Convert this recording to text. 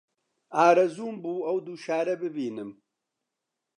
ئارەزووم بوو ئەو دوو شارە ببینم